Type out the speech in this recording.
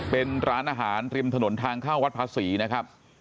เป็นร้านอาหารริมถนนทางเข้าวัดภาษีนะครับ